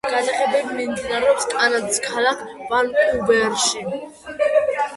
გადაღებები მიმდინარეობს კანადის ქალაქ ვანკუვერში.